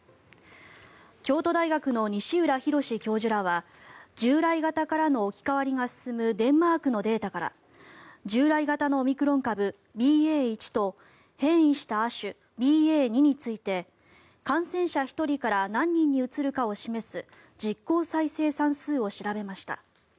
京都大学の西浦博教授らは従来型からの置き換わりが進むデンマークのデータから従来型のオミクロン株ＢＡ．１と変異した亜種ＢＡ．２について感染者１人から何人にうつるかを示す実効再生産数を調べました。